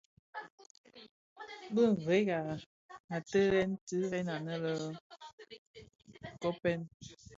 Bi veg i ateghèn diren aně le Koppen,